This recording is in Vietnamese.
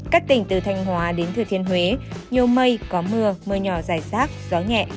các tỉnh từ thanh hóa đến thừa thiên huế nhiều mây có mưa mưa nhỏ dài rác gió nhẹ